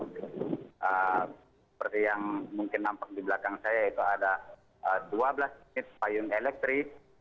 seperti yang mungkin nampak di belakang saya itu ada dua belas unit payung elektrik